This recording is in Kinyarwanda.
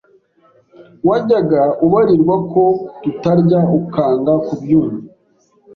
wajyaga ubarirwa ko tutarya ukanga kubyumva